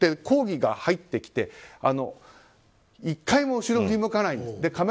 抗議が入ってきて１回も後ろを振り向かないんです。